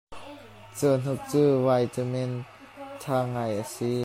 Caw hnuk cu vaiṭamen ṭha ngai a si.